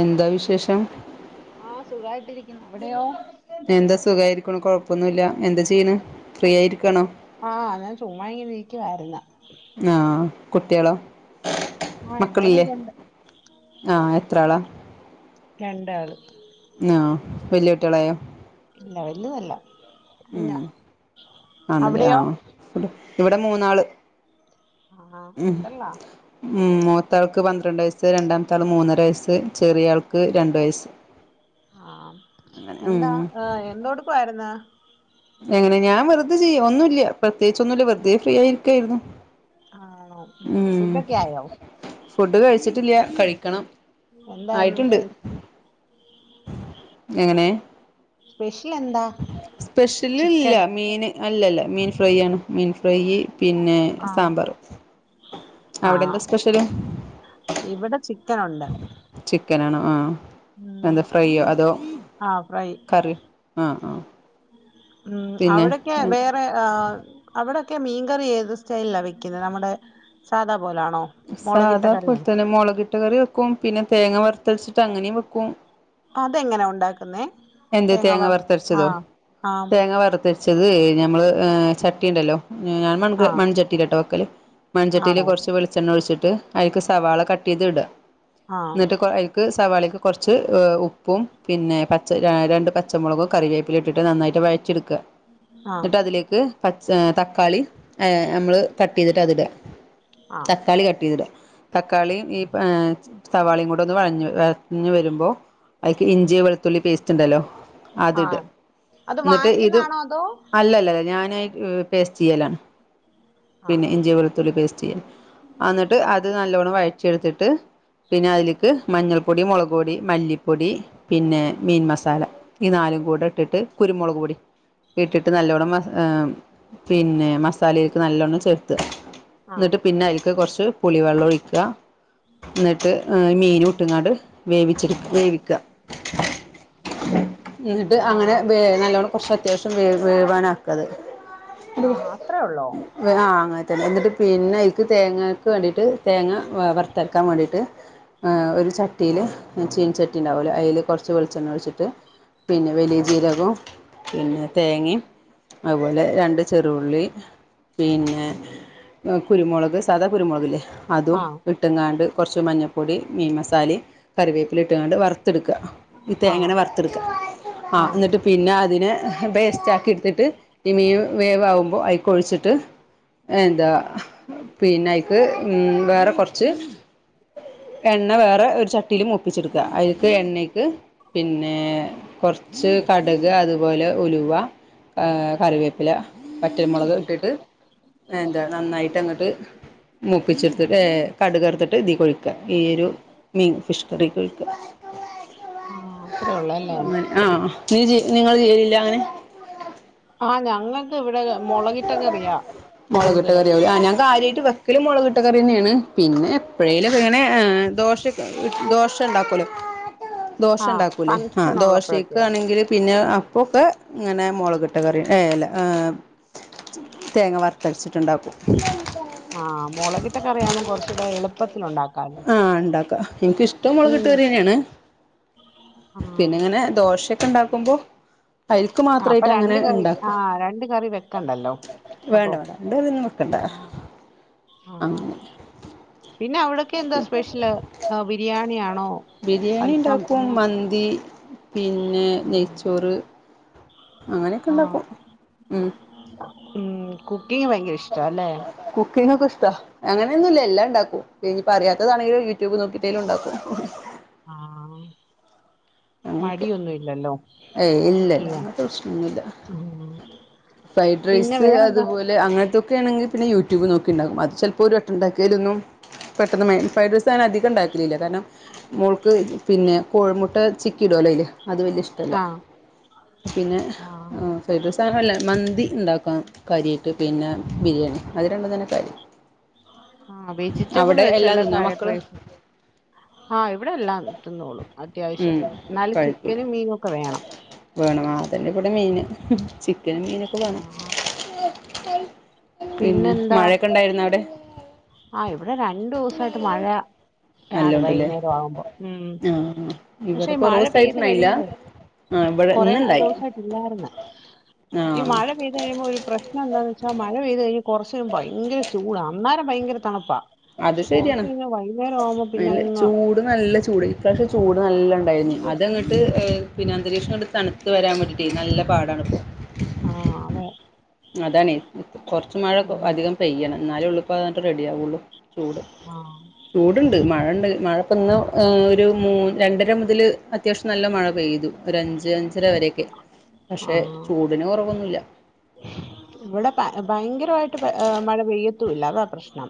എന്താ വിശേഷം? എവിടെയോ എന്താ സുഖായിരിക്കണു കൊഴപ്പ ഇപ്പൊന്നുല്യ. ആ ഞാൻ ചുമ്മാ ഇങ്ങനെ ഇരിക്കുവായിരുന്നു. ആഹ് കുട്ടികളോ? ആഹ് എല്ലാരും മക്കളില്ലേ ഇവിടെ ഉണ്ട് ആ എത്ര ആളാ? രണ്ടാള്. ആ വല്യ കുട്ടികളായോ? ഇല്ല വലുതല്ല. ഉം കുഞ്ഞാ ആണല്ലേ ആ. അവിടെയോ ഇവിടെ മൂന്നാള്. ആഹ് ഉം അല്ല. ഉം. മൂത്താൾക്ക് പന്ത്രണ്ട് വയസ്സ് രണ്ടാമത്തൊൾ മൂന്നര വയസ്സ് ചെറിയ ആൾ ആ. അങ്ങനെ ഉം എന്താ ഏ എന്തോ എടുക്കുവായിരുന്നു? എങ്ങനെ ഞാൻ വെറുതെ ചെയ്യാം ഒന്നുല്യ. പ്രത്യേകിച്ച് ഒന്നുല്യ വെറുതെ ഫ്രീ ആയിരിക്കായിരുന്നു. ആണോ ഉം ഫുഡൊക്കെ ആയോ ഫുഡ് കഴിച്ചിട്ടില്ല കഴി ക്കണം. എന്തായിരുന്നു [unintelligible] ഫിഷ് സ്പെഷ്യല് ഇല്ല മീൻ അല്ലല്ല മീൻ ഫ്രൈ ആണ് മീൻ ഫ്രെയ്യ് പിന്നെ ആഹ് സാമ്പാർ അവിടെ എന്താ ആഹ് സ്പെഷ്യല് ക്കനുണ്ട് ചിക്കനാണോ ആ മ് എന്താ ഫ്രൈയോ അതോ ആ ഫ്രൈ കറി ആ ആ ഉ പിന്നെ അവിടക്കെ വേറേ ആ അവിടെ ട്ടെ മീൻകറിഒക്കെ ഏത് സ്റ്റൈലില വെക്കുന്നത് നമ്മുടെ സാധാ- പോലാണോ മുളകിട്ട സാധാ പോലെ കറിയാ തന്നെ മുളകിട്ട്റി വെക്കും പിന്നെ തേങ്ങ വറുത്തര ച്ചിട്ട് ത്ത ങ്ങനെ വെക്കും അതെങ്ങനാ ഉണ്ടാക്കുന്നേ എന്ത് തേങ്ങാ വ തേങ്ങ വറുത്തരച്ചതോ ആഹ് ആഹ് തേങ്ങ വറുത്തരച്ചത് നമ്മള് ചട്ടിൻണ്ടല്ലോ ഞാൻൺ ആഹ് മൺചട്ടിയിലെട്ടോ വക്കല് മൺചട്ടിയില് ആണോ കുറച്ച് വെളിച്ചെണ്ണ ഒഴിച്ചി ട്ട് അഴിക് സവാള കട്ട് ചെയ്തിടാ ഇ ആഹ് എന്നിട്ട യിക്ക് സവാളിക്ക് കുറച്ച് ഹ് ഉപ്പും പിന്നെ ര രണ്ട് പച്ചമുളകും കറിവേ ഇട്ടിട്ട് നന്നായിട്ട് വഴട്ടിയെടു ക ആഹ് എന്നിട്ട് അതിലേക്ക് പച എ തക്കാളി നമ്മള് കട്ട് ചെയ്തിട്ട് അതിട ആഹ് തക്കാളി കട്ട് ചെയ്തിട തക്കാളിയഈഎ സവാളീം കൂടെ ഒന്ന് വയഞ്ഞു [unintelligible] വരുമ്പോൾ അയിക്ക് ഇഞ്ചി വെ പേസ്റ്റ്റ്റുന്റ്ണ്ടല്ലോ അത്ട ആഹ് അത് ന്നിട്ട് ഇതും വാങ്ങിക്കുന്നാണോ അതോ അല്ലല്ലല്ല ഞാന് മം പേസ്റ്റ് ചെയ്യലാ പിന്നെ ആഹ് ഇഞ്ചി വെളുത്തുള്ളി പേസ്റ്റ് ചെയ്യൻ എന്നിട്ട് അത് നല്ലവണ്ണം വഴ ചെടുത്തിട്ട്. പിന്നെ അതിലേക്ക് മഞ്ഞൾപ്പൊടി മുളക് പൊടി മല്ലിപ്പൊ പൊടി പിന്നെ മീൻ മസാല ഈ നാലും കൂടെ ഇട്ടിട്ട് കുരുമുളോ പൊടി ഇട്ടിട്ട് നല്ലോണ്ണം മസ് എ പിന്നെ മസാലക്ക് നല്ലോണ്ണം ചേർത്ത ആഹ് ന്നിട്ട് പിന്നെ അയിക്ക് കൊറച്ച് പുളിവെള്ളം ഒഴിക്കുക ന്നിട്ട് എ മീൻ ഇട്ടിങ്ങാണ്ട് വേവിച്ചി വേവിക്ക എന്നിട്ട് ആഹ് അങ്ങനെ ആഹ് വേ നല്ലോണം കൊർച്ച് അത്യാവശ്യം വേവ് വേവാനാക്ക അത് ആഹ് അത്രേ ഉള്ളോ വ് ആ അങ്ങ തെന്നെ എന്നിട്ട് പിന്നെ അയിക്ക് തേങ്ങക്ക് വേണ്ടിയിട്ട് തേങ്ങ വ വർത്ത് അരക്കാൻ വാണ്ടിയിട്ട് ഏ ഒരു ചട്ടിയിൽ ചീൻ ചട്ടി ഇണ്ടാവോല്ലേ അയിൽ കൊർച്ച് വെൾ ച്ചെണ്ണ ഒഴി ട്ട് പിന്നെ വെലിയ ജീരകും പിന്നെ തേങ്ങിമം അഹ് പോലെ രണ്ട് ചെറുള്ളി പിന്നെ ഏ കുരുമൊൾക് സാദാ കുരുമൊൾക് ഇല്ലെ അതും ആഹ് ഇട്ട്ങ്ങാണ്ട് കൊർച്ച് മഞ്ഞ പൊടി മീംമസാലിം കറിവേപ്പിലിം ഇട്ട്കാണ്ട് വർത്ത് ഇട്ക്കാ ആഹ് തേങ്ങനെ വർത്ത് ഇട്ക്കാ ആ ആഹ് ഇന്നട്ട് പിന്നെ അതിനെ പേസ്റ്റ് ആക്കി ഇട്ത്ത്ട്ട് ഇ മീം വേവാവുമ്പോ അയ്ക്ക് ഒഴി ഒഴിച്ചിട്ട് എന്താ പിന്നെ അയ്ക്ക് ഉം വേറെ കൊർച്ച് എണ്ണ വേറെ ഒര് ചട്ടിൽ മൂപ്പിച്ച് ഇട്ക്കാ അയിക്ക് എണ്ണിക്ക് പിന്നെ കൊർച്ച് കട്ക് അത് പോലെ ഉ ഉലുവ ഏ കറിവേപ്പില വറ്റൽ മൊളക് ഇട്ടിട്ട് എന്താ നന്നായിട്ട് അങ്ങട്ട് മുപ്പിച്ച് ഇട്ത്തിട്ട് ഏ കട്ക് അർത്തിട്ട് ഇതീക്ക് ഒഴ്ക്ക ഈ ഒരു മീൻ ഫിഷ് കറീക്ക് ഒഴ്ക്കാ ആഹ് അത്രേ ഉള്ളൂ അല്ലേ അങ്ങനെ ആ നീ നിങ്ങൾ ചെയ്യൽ ഇല്ല അങ്ങനെ ആ ഞങ്ങക്ക് ഇവ്ടെ മൊളകിട്ട കറിയാവും ലെ ആ ഞാൻ കാര്യായിട്ട് വെക്കല് മൊളകിട്ട കറി പിന്നെയാണ് പിന്നെ എപ്പഴെലും ഒക്കെ ഇങ്ങനെ ഏ ദോശ [unintelligible] ദോശ ഇണ്ടാക്കോലോ ദോശ ആഹ് ഇണ്ടാക്കൂലെ ആ ഫംഗ്ഷൻ ദോശേക്ക് ഉള്ളപ്പോഴൊക്കെയോ ആണെങ്കിൽ പിന്നെ ആ അപ്പൊക്കെ ഇങ്ങനെ മൊളകിട്ട കറി ഏ ല്ല ഏ തേങ്ങ വർത്ത് അരച്ച് ട്ട് ഇണ്ടാക്കും ആ മൊളകിട്ട കറിയാവുമ്പോ കൊർച്ചൂടെ എളു പ്പത്തിൽ ഒണ്ടാ ആ ഇണ്ടാക്കാ ഇൻക്ക് ഇഷ്ടം ഉം മൊളകിട്ട കറി തന്നെയാണ് ആഹ് പിന്നെ ഇങ്ങനെ ദോശയൊക്കെ ഇണ്ടാക്കുമ്പോ അയിൽക്ക് അപ്പൊ മാത്രായിട്ട് അങ്ങനെ രണ്ട് കറി ഇണ്ടാക്കും ആഹ് രണ്ട് കറി വെക്കണ്ടല്ലോ വേണ്ട അപ്പൊ വേണ്ട രണ്ട് നേരോന്നും വെക്കണ്ട ആഹ് ആഹ് അങ്ങനെ പിന്നെ അവിടൊക്കെ എന്താ സ്പെഷ്യല് ബിരിയാണിയാണോ ബിരിയാണി അൽഫാം ഉണ്ടാക്കും അങ്ങെ മന്തി പിന്നെ നെയ്ച്ചോറ് അങ്ങനെയൊക്കെ ആഹ് ഉണ്ടാക്കും ഉം ഉം ക്കും കുക്കിങ് ഭയങ്കര ഇഷ്ടാ ല്ലെ കുക്കിങ് ഇഷ്ട അങ്ങനെയൊന്നും ഇല്ല എല്ലാണ്ടാക്കും ഇനി അറിയാത്തതാണെങ്കിലും യൂട്യൂബ് നോക്കിട്ടേലും ഇണ്ടാക്കും ആഹ് അങ്ങനെയൊക്കെ മടിയൊന്നും ഇല്ലല്ലോ ഏയ് കുക്ക് ഇല്ലല്ല ചെയ്യാൻ അങ്ങനത്തെ പ്രശ്നൊന്നുല്ല ഉം പിന്നെ ഫ്രൈഡ്റൈസ് വേറെന്താ അതുപോലെ അങ്ങ അത്തൊക്കെ ആണെങ്കിൽന്നെ യൂട്യൂബ് നോക്കിയുണ്ടാക്കും അത് ചിലപ്പോ ഒരുവെട്ടംഉണ്ടാക്കിയാലൊന്നും പെട്ടെന്ന് മ ഫെഡ്രഴ്സ് അധികം ഉണ്ടാക്കലില്ല കാരണം മോൾക്ക് പിന്നെ കോഴിമുട്ട ചിക്കി ഇടുവല്ലേ അയ്ല് അതു പിന്ന ആ പിന്നെ ആ ഏഹ് ഫ്രൈഡ് റൈസ് ആണല്ലോ മൻ ന്തി ഇണ്ടാക്കും കാര്യയായിട്ട് പിന്നെ ബിരിയാണി അത് രണ്ടുതന്നെ കരി ആഹ് വെജിറ്റബിൾ വെച്ചുള്ള തിന്നോ ഫ്രൈഡ് മക്കള് റൈസും ആ ഇവിടെ എല്ലാം തിന്നോളും. അത്യാവശ്യം ഉം എന്നാലും കോഴിക്കൂട് ചിക്കനും, മീനും, ഒക്കെ വേണം അതിന്റെകൂടെ മീന് ചി ക്കനും മിനെക്കെ ആ വേണം. പിന്നെ പിന്നെന്താ മഴയൊക്കെയുണ്ടായിരുന്ന അവിടെ ആ ഇവിടെ രണ്ടു ദിവസായിട്ട് മഴ ആണ് നല്ലോണ്ട്ല്ലേ വൈകുന്നേരം ആവുമ്പോ ആഹ് പക്ഷേ ഇവിടെ മഴ പെയ്ത് കൊറോസായിട്ടുണ്ടായില്ല കഴിയുമ്പോ ആഹ് ഇവിടെ കൊറേ ഇന്നുണ്ടായി ദിവസായിട്ട് ഇില്ലായിരുന്ന് ഈ ആഹ് മഴ പെയ്ത് കഴിയുമ്പോ ഒരു പ്രശ്നം ന്താന്ന് വെച്ചാമഴ പെയ്ത് കഴി കൊർച്ച്ഭയങ്കര ചൂടാ അന്നേരം ഭയങ്കര തണുപ്പാ അത് പക്ഷെ കുറച്ച് ശരിയാണ് കഴിഞ്ഞാ വൈകുന്നേരം ആവുമ്പോ നല്ല പിന്നങ്ങ് ചൂട് നല്ല ചൂട് ഇപ്രാവശ്യം ചൂട് നല്ലണ്ടായിരുന്നെ അതങ്ങട്ട് പിന്നെ അന്തരീക്ഷം ഇങ്ങട്ട് തണുത്ത് വരാൻ വേണ്ടിട്ടെനല്ല പാടാണിപ്പം ആ അതെ അതാണ് കൊർച്ചു ആഹ് മഴഅധികം പെയ്യണം ന്നാലെഉള്ളു ഇപ്പതനെട്ട് റെഡി ആവുള്ളൂ ചൂട് ആഹ് ചൂടുണ്ട്, മഴണ്ട് മഴ ഇന്ന് ഒരു മൂ രണ്ടര മുതല് അത്യാവശ്യം നല്ല മഴ പെയ്തു ഒരു അഞ്ച് അഞ്ചര വരെക്കെ പക്ഷെ ആഹ് ചൂടിന് കൊറവൊന്നുല്ല. ഇവിടെ ഭയ ഭയങ്കരായിട്ട് മഴ പെയ്യത്തും ഇല്ല അതാ പ്രശ്നം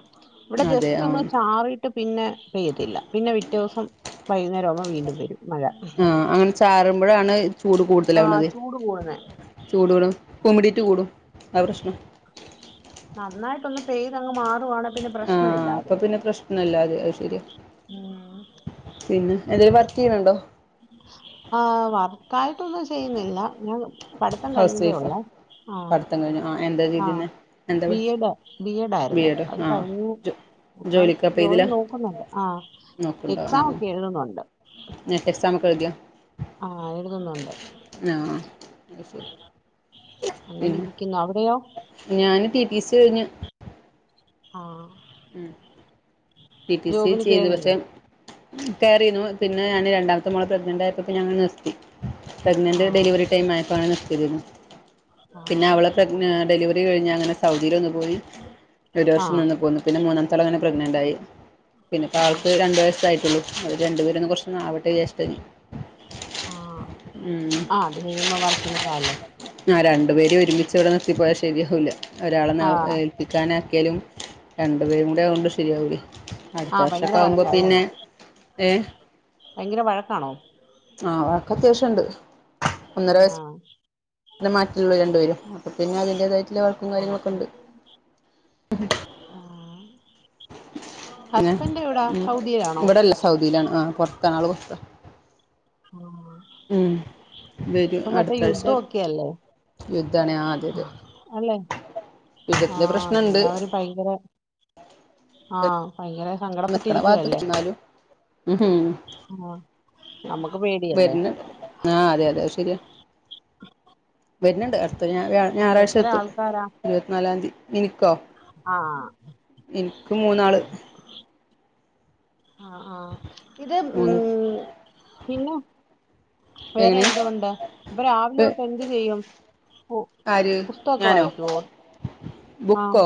ഇവിടെ അതെ ജസ്റ്റ് ഒന്ന് ആഹ് ചാറിട്ട് പിന്നെ പെയ്തില്ല പിന്നെ പിറ്റേ ദിവസം വൈകുന്നേരമാകുമ്പം വീണ്ടും വരും മഴ ആഹ് അങ്ങനെ ചാരുമ്പോഴാണ് ചൂട് ആഹ് കൂടുതലാവുന്നത് ചൂട് കൂടുന്നേ ചൂട് കൂടും കുമ്മിടീയിട്ട് കൂടും അതാ പ്രശ്നം നന്നായിട്ട് ഒന്ന് പെയ്ത് അങ്ങ് മാറുവാണേ ആ അപ്പൊപിന്നെ പ്രശ്നല്ലാതെ അതുശരിയാ ഉം പിന്നെ ഏതെലു വ ക്കെയൂണ്ടോ ആ വർക്കായിട്ടൊന്നും ചെയ്യുന്നില്ല ഞാൻ പഠിത്തം ഹൗസ് കഴിഞ്ഞതേ വൈഫാ ഉള്ളേ ആ പഠിത്തം കഴിഞ്ഞു ആഹ് എന്താ ആ ചെയ്തിരുന്നെ എന്താ പഠിച്ചെ ബിഎഡ് ബിഎഡ് ബി ആയിരുന്നു എഡോ അത് ആഹ് കഴിഞ്ഞു ജോ ഇപ്പം ജോലിക്കപ്പ ജോലി ഇതിലാ നോക്കുന്നുണ്ട് ആ എക്സാമോക്കെ എഴുതുന്നുണ്ട് എക്സാമൊക്കെ എഴുതിയോ ആഹ് എഴുതുന്നുണ്ട് ആഹ് അത് ശെരി അങ്ങനെ ഉം ഇരിക്കുന്നു അവിടെയോ ഞാന് ടി ടി സി ഇതുകഴിഞ്ഞ് ആഹ് മം ടി ടി സി ജോബിന് ചെയ്തു പക്ഷെ കേറിയില്ലേ കേറിയിരുന്നു പിന്നെ ഞാന് രണ്ടാമത്തെ മോളെ പ്രഗ്നൻറ്റായപ്പത്തേന് അങ്ങ് നിർത്തി പ്രഗ്നൻറ്റ് ആഹ് ഡെലിവറി ടൈം ആ പ്പാണ് നിർത്തിയത് പിന്നെ ആഹ് അവളെ പ്രഗ്ന ഡെലിവറി റിക്കഴിഞാണ് സൗദിയിലൊന്നു പോയി ഒരു വർഷം ആഹ് നിന്നുപോന്ന് മൂന്നാമത്തെ ആളെ പിന്നെ പ്രഗ്നന്റായി പിന്നെയിപ്പോ ആഹ് അവൾക്ക് രണ്ട് വയസ്സായിട്ടുള്ളൂ അവര് രണ്ടുപേരും കുറച്ചൊന്നു ആവ ത്രേയ ആഹ് [unintelligible] ആഹ് അത് കഴിയുമ്പോ വർക്കിന് പോവാല്ലോ മം ആ രണ്ടുപേരും ഒരുമിച്ചി ഇവിടെ നിർത്തിപോയ ശരിയാവുല്ല ഒരാളെ നേ ആഹ് ഏൽപ്പിക്കാനാക്കിയാലും രണ്ടുപേരും കൂടെ ആയകൊണ്ട് ശരിയാകുവേ അടുത്ത ആഹ് ഭയങ്കര വർഷമൊക്കെ ആകുമ്പോ വഴക്കാല്ലേ പിന്നെ ഏ ഭയങ്കര വഴക്കാണോ ആ വഴക്ക് അത്യാവശ്യമുണ്ട് ഒന്നര വയസ് ആഹ് സ് മാറ്റൊള്ളൂ രണ്ടുപേരും അപ്പോ പിന്നെ അതിന്റേതായിട്ട് നല്ല വഴക്കും ആഹ് കാര്യങ്ങളൊക്കെണ്ട് ആഹ് പിന്നെ ഹസ്ബൻഡ് എവിടാ സൗദിയിലാണോ ഇവിടെല്ല സൗദിയിലാണ് ആ പുറത്ത ആള് പുറത്ത മം മ് വരും അടുത്താഴ്ച യുദ്ധൊക്കെയല്ലേ യുദ്ധണ് ആദ്യത് അല്ലെ യുദ്ധത്തിന്റെ ആഹ് പ്രശ്നുണ്ട് ആ ഭയങ്കര സങ്കടപ്പെട്ടിരിക്കുവല്ലേ ആഹ് നമുക്ക് പേടിയല്ലേ വരുണ ആ അതെ അതെ ശരിയാ വരണ്‌ണ്ട് പ്പ ഞ ആഹ് ഞായറാഴ്ച എത്ര എത്തും ആൾക്കാരാ ഇരുപത്തിനാലാംന്തി [unintelligible] ക്കോ ആഹ് എനിക്ക് മൂന്നാള് ആ ആ ഇത് മൂന്ന് ഉം [unintelligible] വേറെ എങ്ങനെ എന്തൊണ്ട് അപ്പൊ രാവിലെ തൊട്ട് എന്ത് ചെയ്യും പു ആര് പുസ്തകൊക്കെ ഞാനോ വായിക്കുവോ ആ ബുക്കോ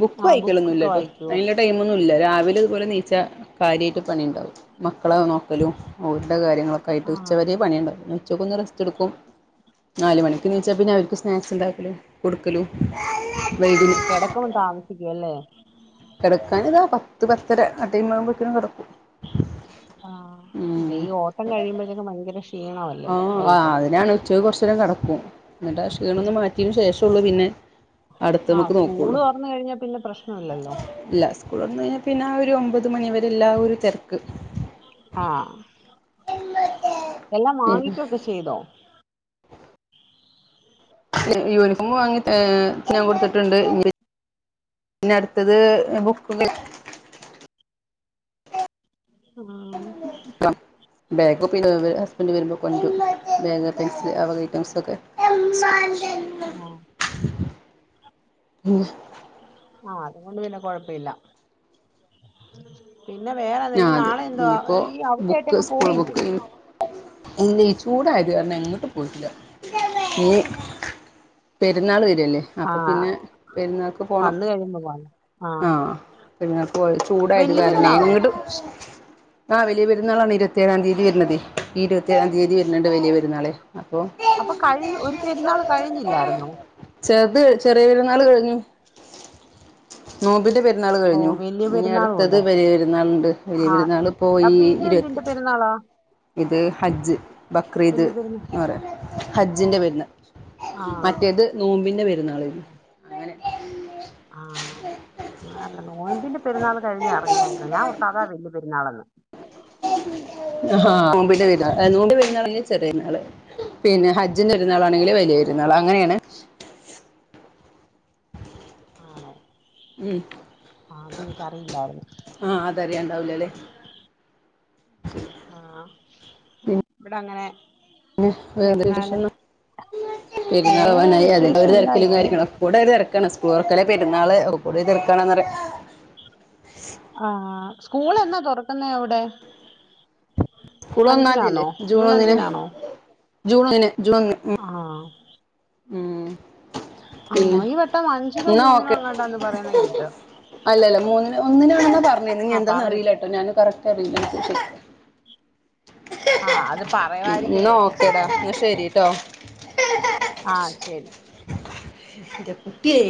ബുക്ക് വായിക്കൊന്നില്ല ട്ടോ അതിന്റെ ടൈം ഒന്നും ഇല്ല രാവിലെ ഇതുപോലെ നീച്ച കാര്യായിട്ട് പണി ഉണ്ടാവും മക്കളെ നോക്കലും വീട്ടിലെ കാര്യങ്ങളൊക്കായിട്ട് ആഹ് ഉച്ചവരെ പണിയാണ് ഉച്ചയ്ക്കൊന്നു റസ്റ്റെടുക്കും നാല് മണിക്ക്ണിച്ചാ പിന്നെ അവര്ക്ക് സ്--‌ സ്നാക്സ് ഇണ്ടാക്കലും കൊടുക്കലും ആ വൈകും കെടക്കുമ്പം താമ സിക്കും അല്ലേ കെടക്കാൻ ഇതാ പത്ത് പത്തര ആ ടൈംമാകുമ്പത്തിനും കെടക്കും ആ ഈ ഓട്ടം കഴിയുമ്പഴത്തേക്കും ഭയങ്കര ഷ് ആ [unintelligible] അതിനാണ് ഉച്ച [unintelligible] കൊറച്ച് ഇത്രേം കടക്കും ഇന്നിട്ട് ആ ക്ഷീണൊന്നു മാറ്റിയെയ്ന് ശേഷള്ളൂ പിന്നെ അടുത്ത ആ നമുക്ക് സ്കൂള് നോക്കുള്ളൂ തൊറന്ന് കഴിഞ്ഞാ പിന്നെ പ്രശ്ന ഇല്ലല്ലോ ഇല്ല സ്കൂൾ തുറന്ന് കഴിഞ്ഞാൽ പിന്നെ ആ ഒരു ഒമ്പത് മണിവരെല്ലാ ഒരു തെരക്ക് ആ എല്ലാം വാങ്ങിക്കയൊക്കെ ചെയ്തോ യൂണിഫോം വാങ്ങി ഞാൻ കൊടുത്തിട്ട്ണ്ട് ഇഞ്ഞ് പിന്നെ അടുത്തത് ബുക്ക് [unintelligible] ആഹ് ഓ പിന്നെ വെ വെ ഹസ്ബന്റ് വരുമ്പോ കൊൻ്റും ബാഗ് പെൻസില് ആ വക ഐറ്റംസൊക്കെ ഉവ്വോ ആഹ് അതുകൊണ്ട് പിന്നെ കൊഴപ്പയില്ല പിന്നെ വേറെതാ ആ ഇനി അതെ നാളെ എന്തോ ഇനിയിപ്പോ ഈ അവധിയായിട്ട് എങ്ങും പോയില്ലെ എല്ലേജു ചൂടായത് കാരണം എങ്ങട്ടും പോയിട്ടില്ല ഇനി പെരുന്നാൾ വര ഇല്ലല്ലേ അപ്പൊ ആഹ് പിന്നെ പെരുന്നാക്ക് പോണം വന്ന് കഴിയുമ്പോ പോവാം ആഹ് ആ പെരുന്നാക്ക് പോ ചൂടായത് വല്യ കാരണം പെരുന്നാളോ എങ്ങട്ടും ആ വലിയ പെരുന്നാളാണ് ഇരുത്തേഴാം തിയ്യതി വരുന്നതേ ഈ ഇരുപത്തേഴാം തിയതി വരുന്നെ വലിയപെരുന്നാളെ അപ്പൊ അപ്പൊ കഴിഞ്ഞു ഒരു പെരുന്നാൾ കഴിഞ്ഞില്ലായിരുന്നോ ചെർത് ചെറിയപെരുന്നാള് [unintelligible] ഉം നോമ്പിന്റെ പെരുന്നാള് ഓ കഴിഞ്ഞു വല്യ ഇനി പെരുന്നാളും അടുത്തത് ഉണ്ട് ബലിയ പെരുന്നാള്ണ്ട് വലിയ ആഹ് പെരുന്നാള് പ്പൊ ഈ അപ്പൊ ഇരുവത്തി ഇതെന്തിന്റെ പെരുന്നാളാ ഇത് ഹജ്ജ് ബക്രീദ് വല്യ പെരുന്നാൾ ന്ന് പറയും ഹജ്ജിന്റെ പെരുന്നാ ആഹ് മറ്റേത് നോമ്പിന്റെ പെരുന്നാള് ആഹ് അല്ല നോയ്ബിന്റെ പെരുന്നാൾ കഴിഞ് അറിഞ്ഞായിരുന്നു ഞാൻ സാധ വല്യ പെരുന്നാളെന്ന് ആഹാ നോമ്പിന്റെപെരുന്നാള് നോമ്പി പെരുന്നാളാണെങ്കി ചെറിയെരുന്നാള് പിന്നെ ഹജ്ജിന്റെരുന്നാളാണെങ്കില് വലിയ പെരുന്നാള് അങ്ങനെയാണ് ആണോ ഉം ആഹ് അതെനിക്കറിയില്ലായിരുന്നു അ അതറിയാണ്ടാവൂലലെ ഇവിടങ്ങനെ പിന്നെ വേറെന്താ വിശേഷം വേറെ പെരുന്നാളാവനായി അതിന്റെ വിശേഷം ഓരൊ എന്താ തിരക്കിലും ഇത് കാര്യങ്ങളും കൂടൊരു തിരക്ക് കണ് സ്കൂള് തുറക്കല് പെരുന്നാള് ഒകൂടിയൊരു തെരക്കാണ് ന്നറ സ്കൂളെന്നാ തുറക്ക്ന്നെ അവിടെ സ്കൂള് ഒന്നാന്തിയല്ലേ അഞ്ചിനാന്നോ ജൂൺ ഒന്നിന് അഞ്ചിനാണോ ജൂൺ ഒന്നിന് ജൂൺ ഒന്ന് ഉം ആഹ് ഉം. ആണോ പിന്നെ ഈ വട്ടം അഞ്ചിനോ മൂന്നിനോ എങ്ങോണ്ടോ പറയുന്ന ട്ടോ അല്ലല മൂന്നിന് ഒന്നിനാണ്ന്നാ പറഞീന്ന് ഇനി ആ പറഞ്ഞ് എന്താന്നറിയില്ലാട്ടോ ഞാന് കറക്റ്റ് ഇനിക് അറിയില്ല ചോച്ച് കട്ടെ അ അത് ന്ന പറയുവായിരിക്കുവല്ലോ ഒക്കെ ടാ ടീച്ചേഴ്സ് ന്ന ശരിട്ടോ ആ ശരി ന്റെകുട്ടിയെ